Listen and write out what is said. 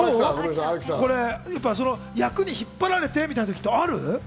役に引っ張られてみたいな時ある？